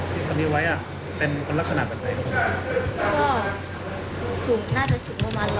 ที่เขานี้ไว้เป็นลักษณะแบบไหนครับ